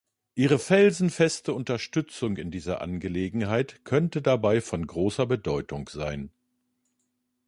Ihre felsenfeste Unterstützung in dieser Angelegenheit könnte dabei von großer Bedeutung sein.